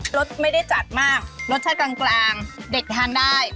รสไม่ได้จัดมากรสชาติกลางเด็กทานได้